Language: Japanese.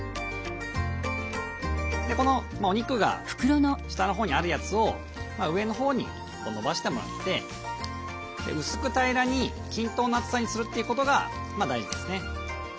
このお肉が下のほうにあるやつを上のほうに延ばしてもらって薄く平らに均等の厚さにするということが大事ですね。